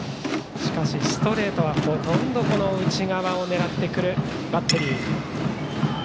ストレートは、ほとんど内側を狙ってくるバッテリー。